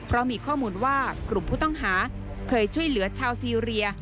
เพราะมีข้อมูลว่ากลุ่มผู้ต้องหาเคยช่วยเหลือชาวซีเรีย